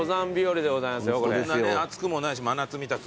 そんな暑くもないし真夏みたく。